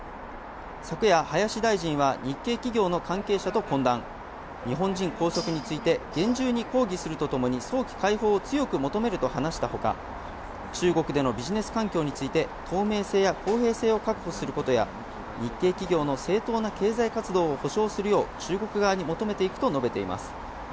昨夜、林大臣は日系企業の関係者と懇談。日本人拘束について厳重に抗議するとともに早期解放を強く求めると話したほか、中国でのビジネス環境について透明性や公平性を確保することや、日系企業の正当な経済活動を保障するよう中国側に求めていくと述べています。